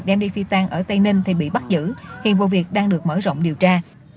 đem đi phi tan ở tây ninh thì bị bắt giữ hiện vụ việc đang được mở rộng điều tra